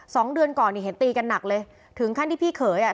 สองเดือนก่อนนี่เห็นตีกันหนักเลยถึงขั้นที่พี่เขยอ่ะ